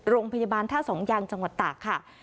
โรงพยาบาลท่าสองยางจังหวัดตากค่ะ